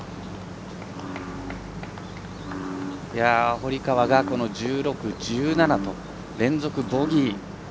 堀川が１６、１７と連続ボギー。